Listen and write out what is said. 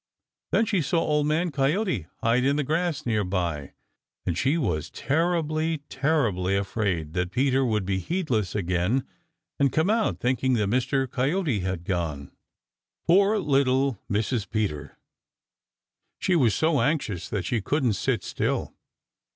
Then she saw Old Man Coyote hide in the grass near by and she was terribly, terribly afraid that Peter would be heedless again and come out, thinking that Mr. Coyote had gone. Poor little Mrs. Peter! She was so anxious that she couldn't sit still.